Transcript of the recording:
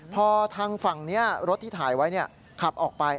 พอทางฝั่งนี้รถที่ถ่ายไว้ขับออกไป